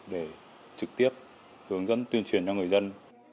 để trực tiếp hướng dẫn tuyên truyền cho người dân